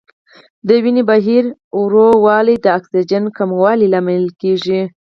د وینې بهیر ورو والی د اکسیجن کموالي لامل کېږي.